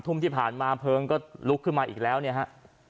ทุ่มที่ผ่านมาเพลิงก็ลุกขึ้นมาอีกแล้วเนี่ยฮะ